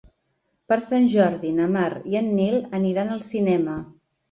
Per Sant Jordi na Mar i en Nil aniran al cinema.